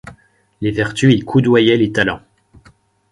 Les vertus y coudoyaient les talents.